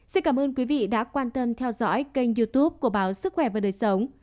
xin cảm ơn quý vị đã quan tâm theo dõi kênh youtube của báo sức khỏe và đời sống